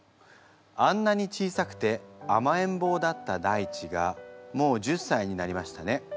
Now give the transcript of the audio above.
あんなに小さくてあまえんぼうだった大馳がもう１０歳になりましたね。